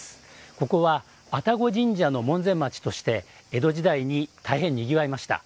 ここは愛宕神社の門前町として江戸時代に大変にぎわいました。